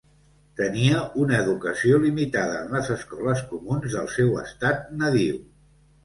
Tenia una educació limitada en les escoles comuns del seu estat nadiu.